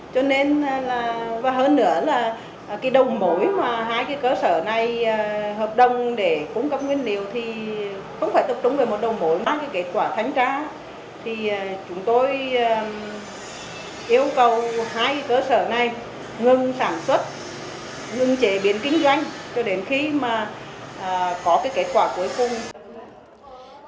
cho đến khi mà có kết quả cuối cùng